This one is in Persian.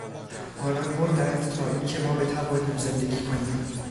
آنان مردند تا اینکه ما بتوانیم زندگی کنیم.